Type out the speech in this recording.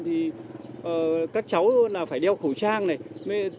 thì các cháu phải đeo khẩu trang này